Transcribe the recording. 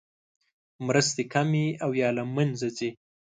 مرستې کمې او یا له مینځه ځي.